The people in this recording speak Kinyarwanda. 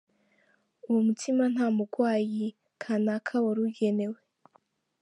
Uwo mutima nta mugwayi kanaka wari ugenewe.